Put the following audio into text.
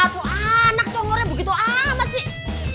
tuh anak congolnya begitu amat sih